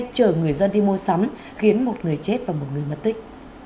chở người dân đi mua sắm khiến một người chết và một người mất tích